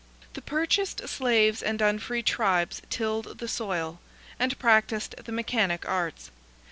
The purchased slaves and unfree tribes tilled the soil, and practised the mechanic arts.